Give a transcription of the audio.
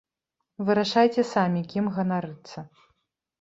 Вырашайце самі, кім ганарыцца.